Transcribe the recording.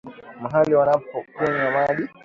mahali wanapokunywa maji